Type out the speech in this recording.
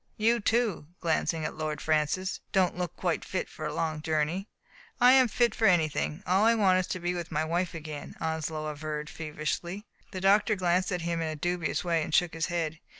You, too [glancing at Lord Francis] don't look quite fit for a long journey. '*I am fit for anything; all I want is to be with my wife again, Onslow averred feverishly. The doctor glanced at him in a dubious way and shook his head.